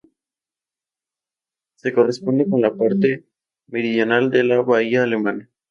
Se corresponde con la parte meridional de la bahía Alemana.